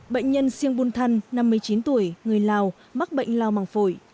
bệnh nhân siêng bùn thăn năm mươi chín tuổi người lào mắc bệnh lào mạng phổi